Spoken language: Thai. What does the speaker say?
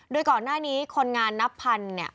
โดยก่อนหน้านี้คนงานนับพันเนี่ย